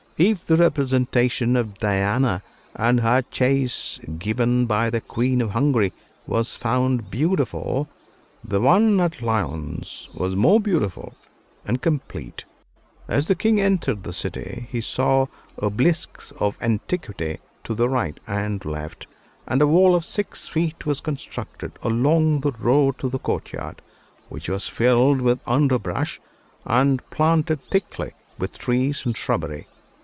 If the representation of Diana and her chase given by the Queen of Hungary was found beautiful, the one at Lyons was more beautiful and complete. As the king entered the city, he saw obelisks of antiquity to the right and left, and a wall of six feet was constructed along the road to the courtyard, which was filled with underbrush and planted thickly with trees and shrubbery.